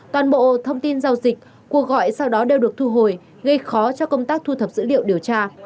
toàn bộ thông tin giao dịch cuộc gọi sau đó đều được thu hồi gây khó cho công tác thu thập dữ liệu điều tra